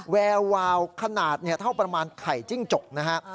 แวววาวขนาดเท่าประมาณไข่จิ้งจกนะฮะ